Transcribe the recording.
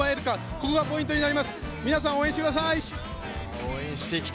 ここがポイントになります、皆さん、応援してください。